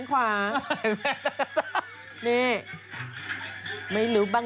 ใครละ